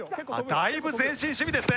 だいぶ前進守備ですね。